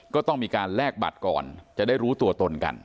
ก็ต้องมีการแลกบัตรก่อนจะได้รู้ตัวตนกัน